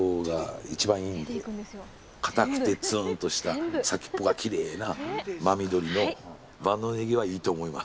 かたくてツーンとした先っぽがきれいな真緑の万能ねぎはいいと思います。